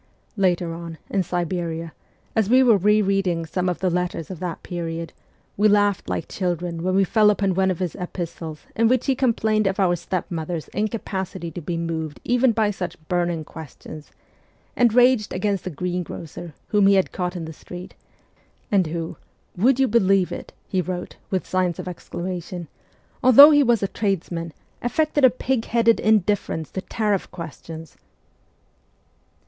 Later on, in Siberia, as we were re reading some of the letters of that period, we laughed like children when we fell upon one of his epistles in which he complained of our stepmother's incapacity to be moved even by such burning questions, and raged against a green grocer whom he had caught in the street, and who, ' would you believe it,' he wrote with signs of exclamation, ' although he was a tradesman, affected a pig headed indifference to tariff questions